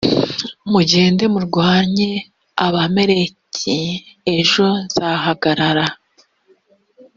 mugende murwanye abamaleki ejo nzahagarara